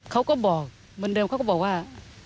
เขาก็บอกเหมือนเดิมเขาก็บอกว่า